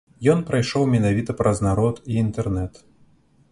Ён прайшоў менавіта праз народ і інтэрнэт.